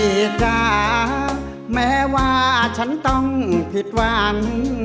ใกล้จ้าแม้ว่าฉันต้องผิดหวัง